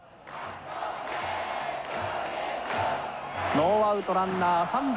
ノーアウトランナー三塁。